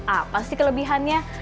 apa sih kelebihannya